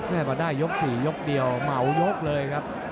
แน่บันไดยก๔ยกเดียวเหมายกเลยครับ